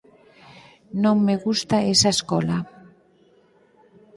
Non me gusta esa escola.